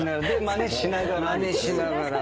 まねしながら。